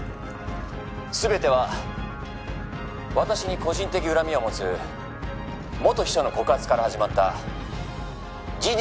全ては私に個人的恨みを持つ元秘書の告発から始まった事実